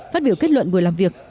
phát biểu kết luận buổi làm việc